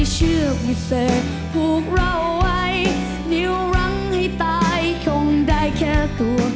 ชื่นใจอยากเป็นสาวรุ่นนุษย์